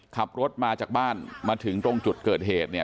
ขับรถมาจากบ้านมาถึงตรงจุดเกิดเหตุเนี่ย